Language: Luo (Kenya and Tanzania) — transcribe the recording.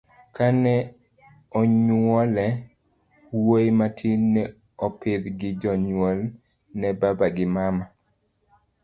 kane onyuole, wuoyi matin ne opidh gi jonyuol ne baba gi mama